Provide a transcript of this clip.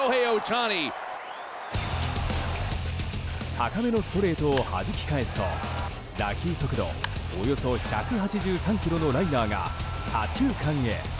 高めのストレートをはじき返すと打球速度およそ１８３キロのライナーが左中間へ。